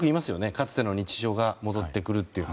かつての日常が戻ってくると。